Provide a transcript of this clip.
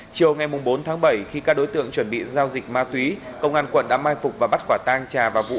chiều ngày bốn tháng bảy khi các đối tượng chuẩn bị giao dịch ma túy công an quận đã mai phục và bắt quả tang trà và vũ